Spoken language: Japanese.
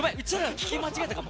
聞き間違えたかも。